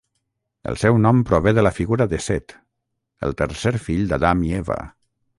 El seu nom prové de la figura de Set, el tercer fill d'Adam i Eva.